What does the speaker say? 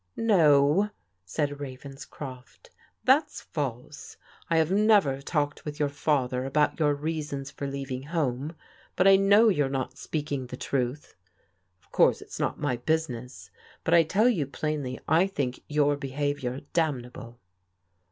" No," said Ravenscroft, " that's false. I have never talked with your father about your reasons for leaving home, but I know you're not speaking the truth. Of course, it's not my business, but I tell you plainly I think your behaviour damnable."